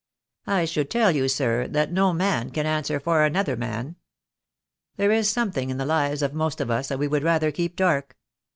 "I should tell you, sir, that no man can answer for another man. There is something in the lives of most of us that we would rather keep dark."